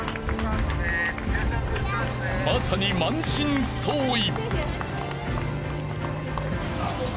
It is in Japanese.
［まさに満身創痍］